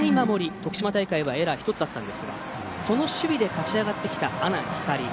徳島大会はエラー１つだったんですがその守備で勝ち上がってきた阿南光。